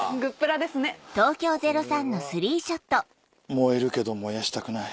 燃えるけど燃やしたくない。